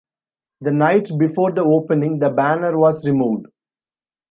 The night before the opening, the banner was removed.